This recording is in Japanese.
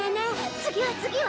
次は次は？